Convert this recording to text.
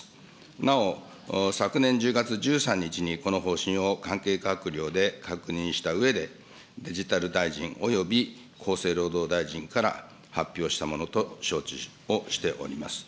なお、昨年１０月１３日に、この方針を関係閣僚で確認したうえで、デジタル大臣および厚生労働大臣から発表したものと承知をしております。